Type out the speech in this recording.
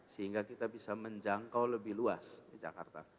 sehingga kita bisa menjangkau lebih luas di jakarta